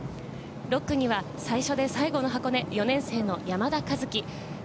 ６区には最初で最後の箱根、４年生の山田一輝。